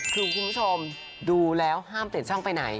คุณผู้ชมดูแล้วห้ามเตะช่องไปไหน